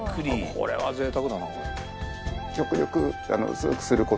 「これは贅沢だな」